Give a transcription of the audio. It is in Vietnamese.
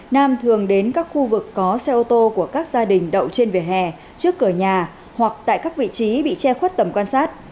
nam thường đến các khu vực có xe ô tô của các gia đình đậu trên vỉa hè trước cửa nhà hoặc tại các vị trí bị che khuất tầm quan sát